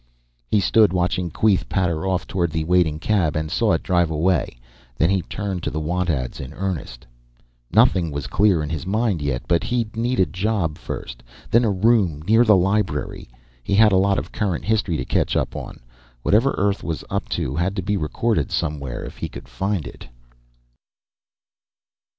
He stood watching Queeth patter off toward the waiting cab and saw it drive away. Then he turned to the want ads in earnest. Nothing was clear in his mind yet, but he'd need a job first, then a room near the library. He had a lot of current history to catch up on. Whatever Earth was up to had to be recorded somewhere, if he could find it.